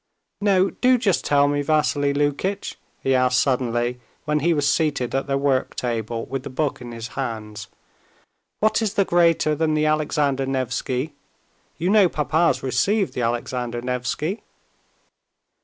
"No, do just tell me, Vassily Lukitch," he asked suddenly, when he was seated at their work table with the book in his hands, "what is greater than the Alexander Nevsky? You know papa's received the Alexander Nevsky?"